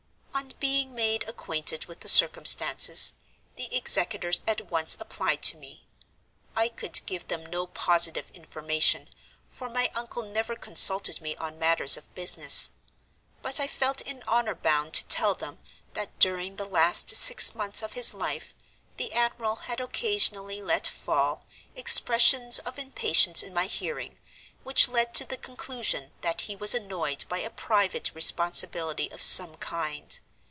"On being made acquainted with the circumstances, the executors at once applied to me. I could give them no positive information—for my uncle never consulted me on matters of business. But I felt in honor bound to tell them, that during the last six months of his life, the admiral had occasionally let fall expressions of impatience in my hearing, which led to the conclusion that he was annoyed by a private responsibility of some kind.